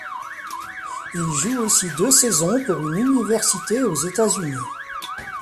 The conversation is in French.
Il joue aussi deux saisons pour une université aux États-Unis.